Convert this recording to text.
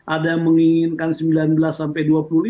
ada yang menginginkan sembilan belas sampai dua puluh lima